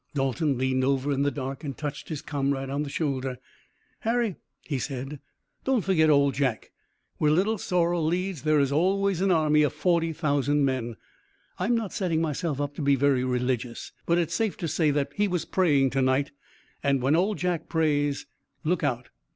Dalton leaned over in the dark, and touched his comrade on the shoulder. "Harry," he said, "don't forget Old Jack. Where Little Sorrel leads there is always an army of forty thousand men. I'm not setting myself up to be very religious, but it's safe to say that he was praying to night, and when Old Jack prays, look out."